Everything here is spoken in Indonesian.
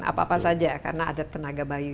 apa apa saja karena ada tenaga bayi